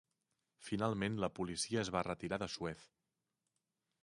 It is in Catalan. Finalment la policia es va retirar de Suez.